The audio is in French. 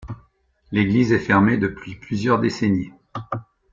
L'église est fermée depuis plusieurs décennies.